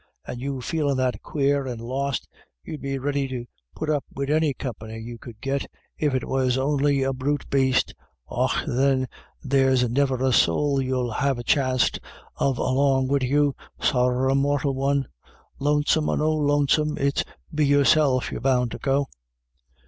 259 and you feelin' that quare and lost, you'd be ready to put up wid any company you could git, if it was on'y a brute baste — och then there's niver a sowl you'll have the chanst of along wid you, sorra a mortial one ; lonesome or no lonesome, it's be yourself you're bound to go."